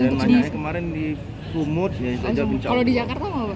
kalau di jakarta mau pak